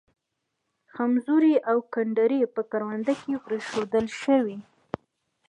خمزوري او گنډري په کرونده کې پرېښودل ښه وي.